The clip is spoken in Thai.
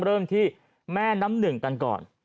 เริ่มที่แม่น้ำหนึ่งกันก่อน